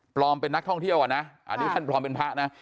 เป็นนักท่องเที่ยวอ่ะนะอันนี้ท่านปลอมเป็นพระนะ